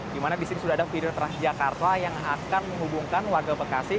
dimana disini sudah ada feeder transjakarta yang akan menghubungkan warga bekasi